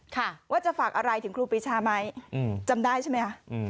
ค่ะว่าจะฝากอะไรถึงครูปีชาไหมอืมจำได้ใช่ไหมคะอืม